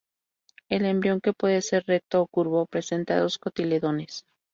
El embrión, que puede ser recto a curvo, presenta dos cotiledones.